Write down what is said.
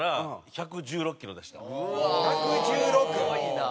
１１６！